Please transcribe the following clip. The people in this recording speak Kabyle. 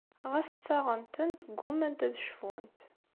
Ɣas ttaɣent-tent ggummant ad cfunt.